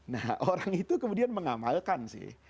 nah orang itu kemudian mengamalkan sih